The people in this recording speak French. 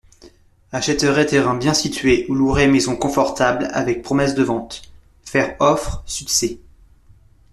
Achèterait terrain bien situé ou louerait maison confortable avec promesse de vente, faire offre sudC.